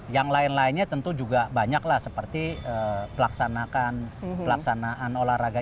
yang lain lainnya tentu juga banyaklah seperti pelaksanaan olahraga